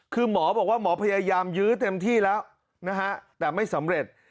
คือหมอบอกว่าหมอพยายามยื้อเต็มที่แล้วนะฮะแต่ไม่สำเร็จ